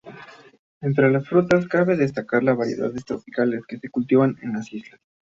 Entre las frutas, cabe destacar las variedades tropicales que se cultivan en las islas.